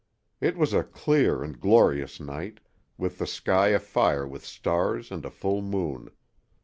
It was a clear and glorious night, with the sky afire with stars and a full moon.